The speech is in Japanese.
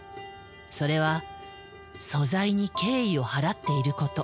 それは素材に敬意を払っていること。